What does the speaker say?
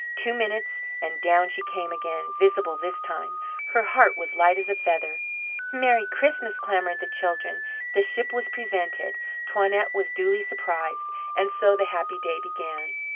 Two minutes, and down she came again visible this time. Her heart was light as a feather. "Merry Christmas!" clamoured the children. The ship was presented, Toinette was duly surprised, and so the happy day began.